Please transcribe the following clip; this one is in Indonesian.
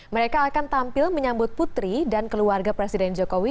mereka akan tampil menyambut putri dan keluarga presiden jokowi